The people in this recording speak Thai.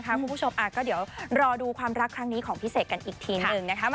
คุณผู้ชมก็เดี๋ยวรอดูความรักครั้งนี้ของพี่เสกกันอีกทีหนึ่งนะคะ